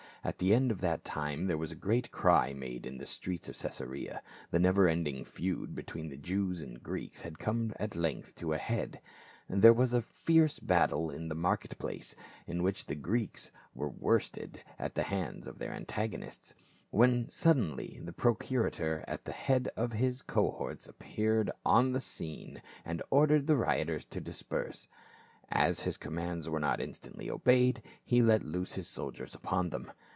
At the end of that time there was a great cry made in the streets of Cae sarea. The never ending feud between the Jews and Greeks had come at length to a head ; there was a fierce battle in the market place, in which the Greeks were worsted at the hands of their antagonists. When suddenly the procurator at the head of his cohorts ap peared on the scene and ordered the rioters to disperse. As his commands were not instantly obeyed, he let loose his soldiers upon them.